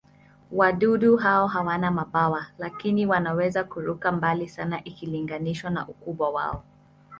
Wadudu hao hawana mabawa, lakini wanaweza kuruka mbali sana ikilinganishwa na ukubwa wao.